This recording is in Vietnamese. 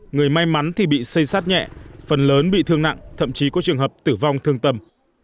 người may mắn thì bị xây sát nhẹ phần lớn bị thương nặng thậm chí có trường hợp tử vong thương tâm